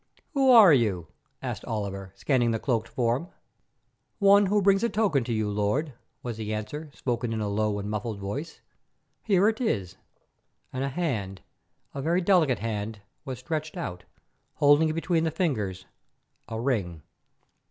"Who are you?" asked Oliver, scanning the cloaked form. "One who brings a token to you, lord," was the answer, spoken in a low and muffled voice. "Here it is," and a hand, a very delicate hand, was stretched out, holding between the fingers a ring.